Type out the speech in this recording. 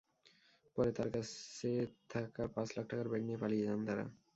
পরে তাঁর কাছে থাকা পাঁচ লাখ টাকার ব্যাগ নিয়ে পালিয়ে যান তাঁরা।